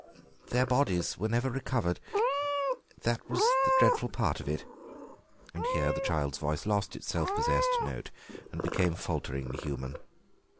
Their bodies were never recovered. That was the dreadful part of it." Here the child's voice lost its self possessed note and became falteringly human.